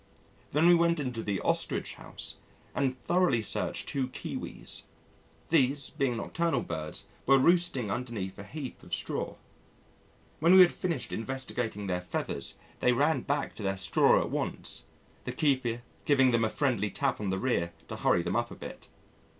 Then we went into the Ostrich House and thoroughly searched two Kiwis. These, being nocturnal birds, were roosting underneath a heap of straw. When we had finished investigating their feathers, they ran back to their straw at once, the keeper giving them a friendly tap on the rear to hurry them up a bit.